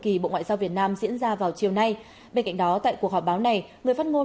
kỳ bộ ngoại giao việt nam diễn ra vào chiều nay bên cạnh đó tại cuộc họp báo này người phát ngôn